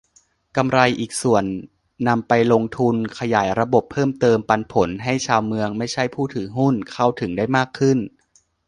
กำไรอีกส่วนนำไปลงทุนขยายระบบเพิ่มเติม "ปันผล" ให้ชาวเมือง ไม่ใช่ผู้ถือหุ้น เข้าถึงได้มากขึ้น